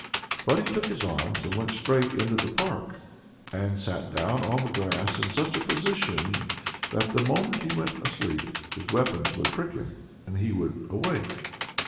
But he took his arms, and went straight into the park, and sat down on the grass in such a position that, the moment he went asleep, his weapons would prick him, and he would awake.